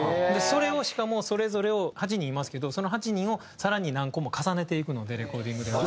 それをしかもそれぞれを８人いますけどその８人を更に何個も重ねていくのでレコーディングでは。